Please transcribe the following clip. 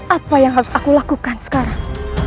apa yang harus aku lakukan sekarang